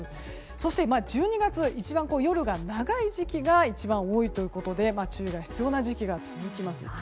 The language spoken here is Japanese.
そして１２月一番夜が長い時期が一番多いということで注意が必要な時期が続きます。